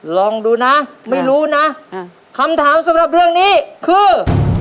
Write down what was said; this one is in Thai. ลองดูนะไม่รู้นะคำถามสำหรับเรื่องนี้คือ